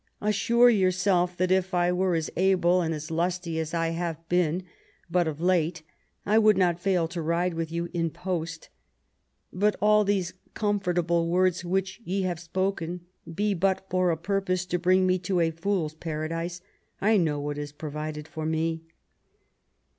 " Assure yourself that if I were as able and as lusty as I have been but of late, I would not fail to ride with you in post But all these comfortable words which ye have spoken be but for a purpose to bring me to a fool's paradise ; I know what is provided for me."